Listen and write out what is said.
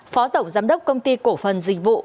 phó tổng giám đốc công ty cổ phần dịch vụ